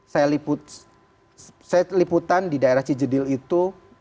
saya liputan di daerah cijedil itu